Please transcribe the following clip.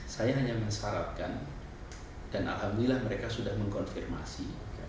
saya hanya mensyaratkan dan alhamdulillah mereka sudah mengkonfirmasi